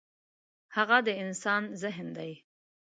هغه د انسان ذهن دی.